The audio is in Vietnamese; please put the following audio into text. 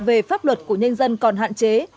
về pháp luật của nhân dân còn hạn chế